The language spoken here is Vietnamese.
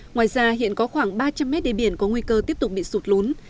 ngoài ra hiện có khoảng ba trăm linh mét đê biển có nguy cơ tiếp tục bị sụt lún